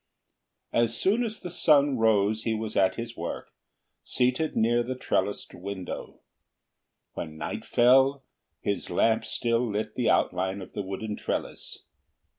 As soon as the sun rose he was at his work, seated near the trellised window. When night fell, his lamp still lit the outline of the wooden trellis.